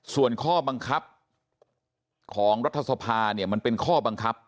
ส่วนข้อบังคับของรัฐสภาเนี่ยมันเป็นข้อบังคับ